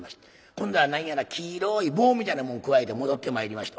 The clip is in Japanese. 今度は何やら黄色い棒みたいなもんくわえて戻ってまいりました。